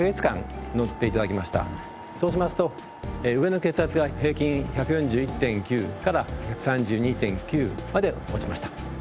そうしますと上の血圧が平均１４１．９から１３２．９まで落ちました。